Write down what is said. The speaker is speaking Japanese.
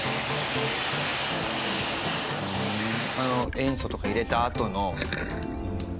塩素とか入れたあとの。